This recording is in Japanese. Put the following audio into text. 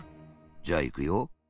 じゃあいくよ。